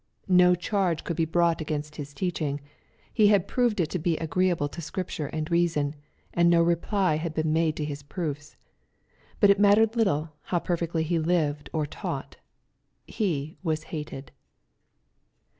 No charge could be brought against His teaching : He had proved it to be agreeable to Scripture and reason, and no reply had been made to His proofs. But it mattered little how perfectly He lived or taught. Hf was hated.